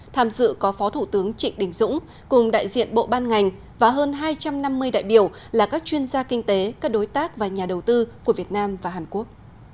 tham dự có phó thủ tướng trịnh đình dũng cùng đại diện bộ ban ngành và hơn hai trăm năm mươi đại biểu là các chuyên gia kinh tế các đối tác và nhà đầu tư của việt nam và hàn quốc